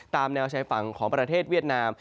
ตามแนวชายฝั่งของประเทศเวียดนาม